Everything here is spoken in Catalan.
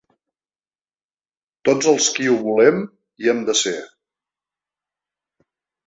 Tots els qui ho volem, hi hem de ser.